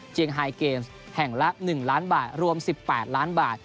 ไฮเกมส์แห่งละ๑ล้านบาทรวม๑๘ล้านบาท